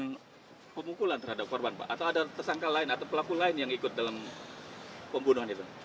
melakukan pemukulan terhadap korban pak atau ada tersangka lain atau pelaku lain yang ikut dalam pembunuhan itu